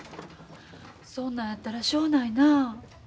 そんなんやったらしょうないな。